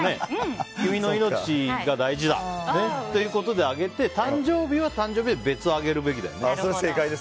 君の命が大事だっていうことであげて誕生日は誕生日で別にあげるべきだよね。